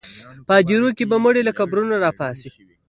په هدیرو کې به مړي له قبرونو راپاڅي.